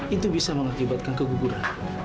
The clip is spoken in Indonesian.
itu bisa mengakibatkan keguguran